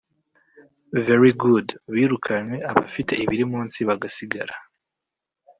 Very Good) birukanywe abafite ibiri munsi bagasigara